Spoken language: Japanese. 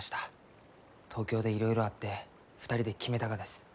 東京でいろいろあって２人で決めたがです。